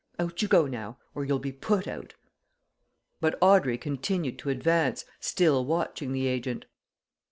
Out you go, now or you'll be put out." But Audrey continued to advance, still watching the agent.